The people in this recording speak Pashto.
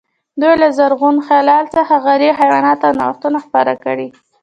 دوی له زرغون هلال څخه غلې، حیوانات او نوښتونه خپاره کړي.